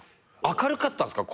明るかったんですか？